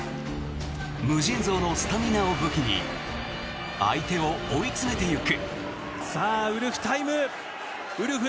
無尽蔵のスタミナを武器に相手を追い詰めていく。